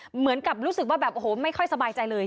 เหมือนกับรู้สึกว่าแบบโอ้โหไม่ค่อยสบายใจเลย